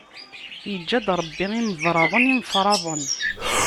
Iǧǧa-d Ṛebbi imebraḍen, imefraḍen.